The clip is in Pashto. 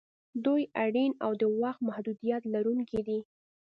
دوی اړین او د وخت محدودیت لرونکي دي.